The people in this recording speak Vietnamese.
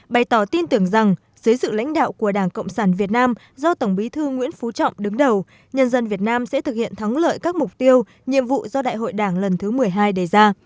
bày tỏ tin tưởng rằng dưới sự lãnh đạo của đảng cộng sản việt nam do tổng bí thư nguyễn phú trọng đứng đầu nhân dân việt nam sẽ thực hiện thắng lợi các mục tiêu nhiệm vụ do đại hội đảng lần thứ một mươi hai đề ra